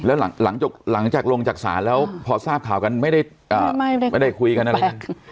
แล้วหลังจากลงจากศาลแล้วพอทราบข่าวกันไม่ได้คุยกันอะไร